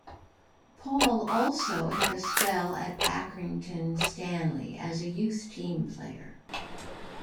Paul also had a spell at Accrington Stanley as a youth team player.